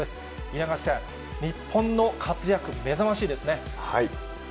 稲垣さん、日本の活躍、目覚ましいですね。